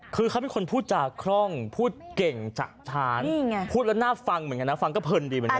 คือเขาเป็นคนพูดจาคร่องพูดเก่งจะฉานพูดแล้วน่าฟังเหมือนกันนะฟังก็เพลินดีเหมือนกัน